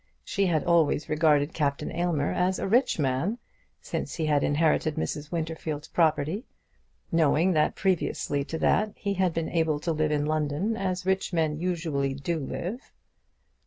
She had always regarded Captain Aylmer as a rich man since he had inherited Mrs. Winterfield's property, knowing that previously to that he had been able to live in London as rich men usually do live.